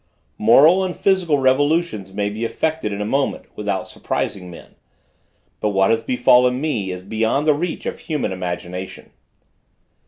"Moral and physical revolutions may be effected in a moment, without surprising men; but what has befallen me is beyond the reach of human imagination!"